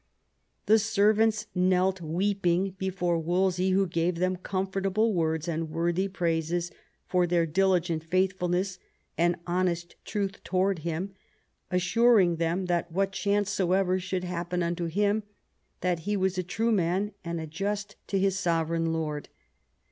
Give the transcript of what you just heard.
The servants knelt weeping before Wolsey, who "gave them comfort able words and worthy praises for their diligent faith fulness and honest truth towards him, assuring them that what chance soever should happen unto him, that he was a true man and a just to his sovereign lord."